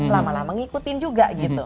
lama lama ngikutin juga gitu